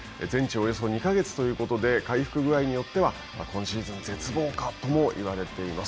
およそ２か月ということで回復ぐあいによっては今シーズン絶望かとも言われています。